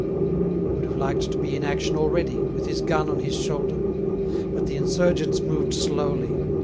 He would have liked to be in action already, with his gun on his shoulder. But the insurgents moved slowly.